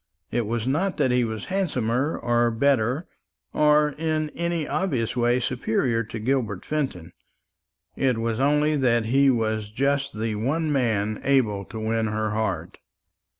It was not that he was handsomer, or better, or in any obvious way superior to Gilbert Fenton. It was only that he was just the one man able to win her heart.